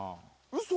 嘘？